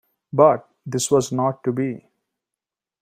But this was not to be.